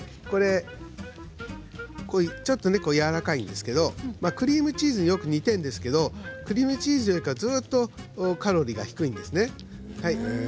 ちょっとやわらかいんですけれどクリームチーズによく似ているんですけれどクリームチーズよりもカロリーが低いんですね。